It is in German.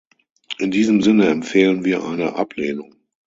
In diesem Sinne empfehlen wir eine Ablehnung.